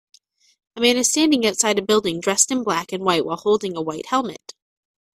A man is standing outside a building dressed in black and white while holding a white helmet.